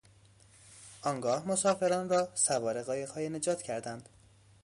آنگاه مسافران را سوار قایقهای نجات کردند.